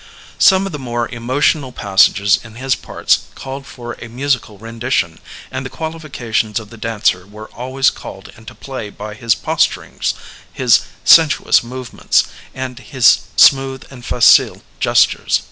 Some of the more emotional passages in his parts called for a musical rendition; and the qualifications of the dancer were always called into play by his posturings, his sensuous move mentSy and Ms smooth and facile gestures.